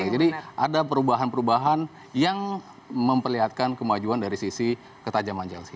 jadi ada perubahan perubahan yang memperlihatkan kemajuan dari sisi ketajaman chelsea